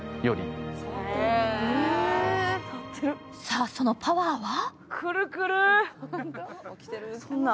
さぁ、そのパワーは？